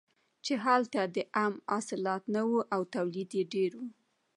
چې هلته د عم حاصلات نه وو او تولید یې ډېر و.